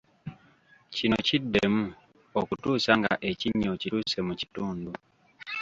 Kino kiddemu okutuusa nga ekinnya okituuse mu kitundu.